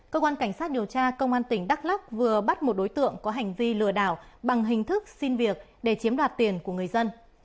cơ quan cảnh sát điều tra công an tỉnh đắk lắc vừa bắt một đối tượng có hành vi lừa đảo bằng hình thức xin việc để chiếm đoạt tiền của người dân